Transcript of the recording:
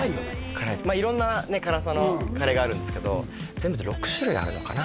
辛いです色んなね辛さのカレーがあるんですけど全部で６種類あるのかな？